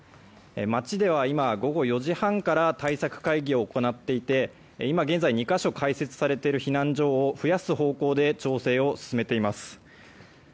町では今、午後４時半から対策会議を行っていて今、現在２か所開設されている避難所を増やす方向で調整を進めています。